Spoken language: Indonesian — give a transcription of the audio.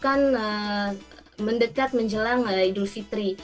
karena itu sudah mendekat menjelang idul fitri